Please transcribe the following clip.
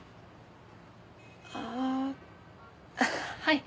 あはい。